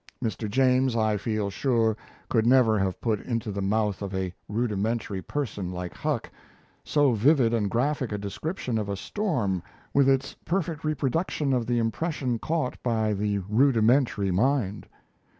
Mr. James, I feel sure, could never have put into the mouth of a "rudimentary" person like Huck, so vivid and graphic a description of a storm with its perfect reproduction of the impression caught by the "rudimentary" mind.